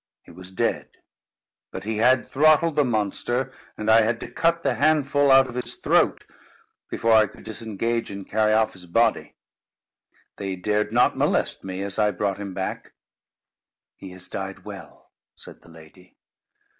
He was dead. But he had throttled the monster, and I had to cut the handful out of its throat, before I could disengage and carry off his body. They dared not molest me as I brought him back." "He has died well," said the lady.